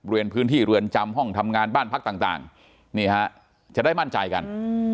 พื้นที่เรือนจำห้องทำงานบ้านพักต่างนี่ฮะจะได้มั่นใจกัน